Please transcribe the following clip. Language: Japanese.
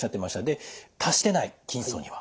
で達してない筋層には。